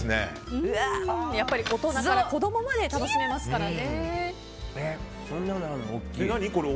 やっぱり大人から子供まで楽しめますからね。